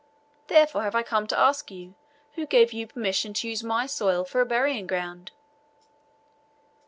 Therefore have I come to ask you, who gave you permission to use my soil for a burying ground?"